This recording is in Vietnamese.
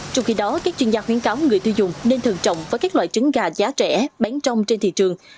trong khi đó các chuyên gia khuyến cáo người tiêu dùng nên thường trọng với các loại trứng gà giá rẻ bán trong trên thị trường